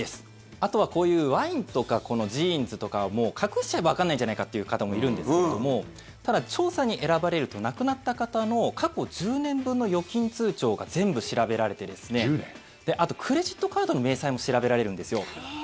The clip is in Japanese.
あとは、こういうワインとかジーンズとかもう隠しちゃえばわからないんじゃないかという方もいるんですけどもただ、調査に選ばれると亡くなった方の過去１０年分の預金通帳が全部調べられてあと、クレジットカードの明細も調べられるんですよ。